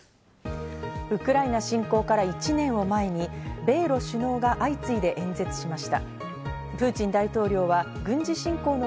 ウクライナ侵攻から１年を前に米露首脳が相次いで演説しました。